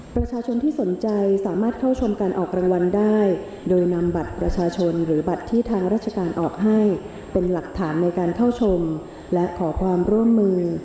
ประชาชนที่สนใจสามารถเข้าชมการออกรางวัลได้โดยนำบัตรประชาชนหรือบัตรที่ทางราชการออกให้เป็นหลักฐานในการเข้าชมและขอความร่วมมือ